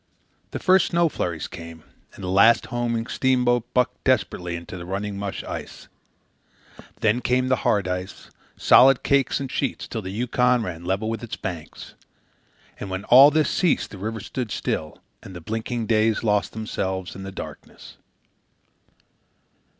The first snow flurries came, and the last homing steamboat bucked desperately into the running mush ice. Then came the hard ice, solid cakes and sheets, till the Yukon ran level with its banks. And when all this ceased the river stood still and the blinking days lost themselves in the darkness.